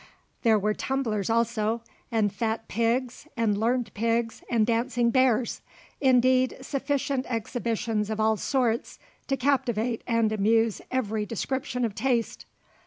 There were tumblers also, and fat pigs, and learned pigs, and dancing bears, indeed sufficient exhibitions of all sorts to captivate and amuse every description of taste.